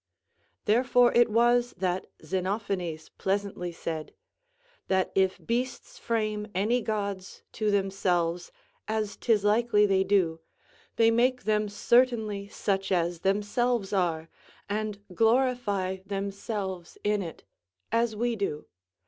Therefore it was that Xenophanes pleasantly said, "That if beasts frame any gods to themselves, as 'tis likely they do, they make them certainly such as themselves are, and glorify themselves in it, as we do.